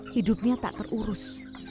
hidupnya tak terurus